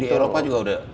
di eropa juga udah